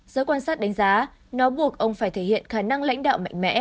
giới quan sát đánh giá nó buộc ông phải thể hiện khả năng lãnh đạo mạnh mẽ